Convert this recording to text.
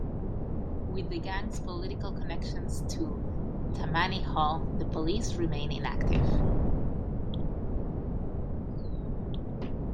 With the gang's political connections to Tammany Hall, the police remained inactive.